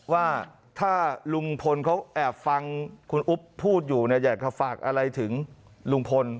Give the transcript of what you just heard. ว่าถ้าลุงพลเขาแอบฟังคุณอุ๊บพูดอยู่เนี่ยอยากจะฝากอะไรถึงลุงพล